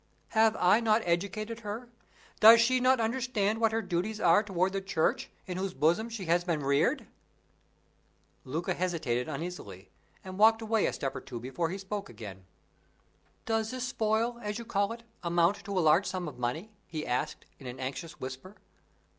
"Have I not educated her? Does she not understand what her duties are toward the Church, in whose bosom she has been reared?" Luca hesitated uneasily, and walked away a step or two before he spoke again. "Does this spoil, as you call it, amount to a large sum of money?" he asked, in an anxious whisper.